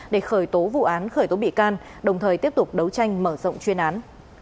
để khởi tố vụ án khởi tố bị can đồng thời tiếp tục đấu tranh mở rộng chuyên án